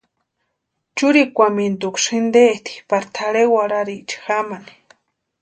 Churikwamintusï jinteeti pari tʼarhe warhiriecha jamani.